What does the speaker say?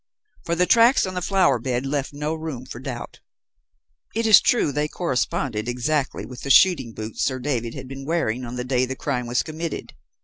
For the tracks on the flower bed left no room for doubt. "It is true they corresponded exactly with the shooting boots Sir David had been wearing on the day the crime was committed.